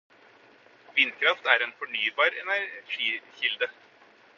Vindkraft er en fornybar energikilde.